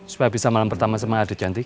supaya bisa malam pertama sama adik cantik